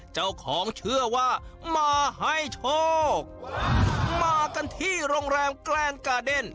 เจ้าของเชื่อว่ามาให้โชคมากันที่โรงแรมแกล้งกาเดน